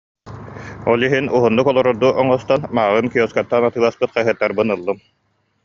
Ол иһин уһуннук олорордуу оҥостон, мааҕын киоскаттан атыыласпыт хаһыаттарбын ыллым